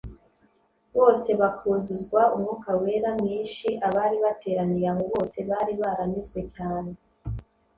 bose bakuzuzwa Umwuka Wera mwinshiAbari bateraniye aho bose bari baranyuzwe cyane;